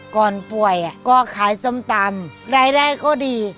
ก่อนป่วยก็ขายส้มตำรายได้ก็ดี